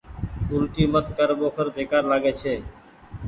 اولٽي مت ڪر ٻوکر بيڪآر لآڳي ڇي